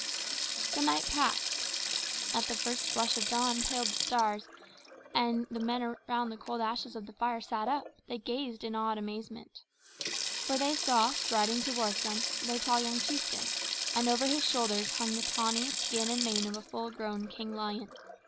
The night passed. As the first flush of dawn paled the stars, and the men around the cold ashes of the fire sat up, they gazed in awed amazement. For they saw, striding toward them, their tall young chieftain; and over his shoulders hung the tawny skin and mane of a full grown king lion.